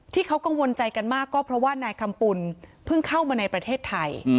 ที่เขากังวลใจกันมากก็เพราะว่านายคำปุ่นเพิ่งเข้ามาในประเทศไทย